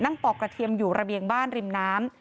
ปอกกระเทียมอยู่ระเบียงบ้านริมน้ำ